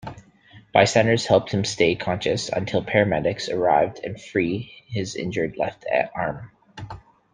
Bystanders helped him stay conscious until paramedics arrived and free his injured left arm.